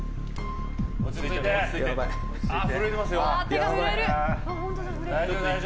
手が震える。